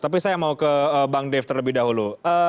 tapi saya mau ke bang dev terlebih dahulu